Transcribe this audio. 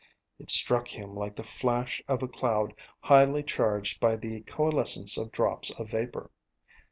It struck him like the flash of a cloud highly charged by the coalescence of drops of vapor.